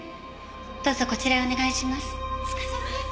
どうぞこちらへお願いします。